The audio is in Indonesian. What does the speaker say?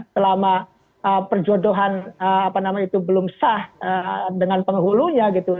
selama perjodohan apa namanya itu belum sah dengan penghulunya gitu